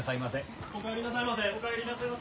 お帰りなさいませ。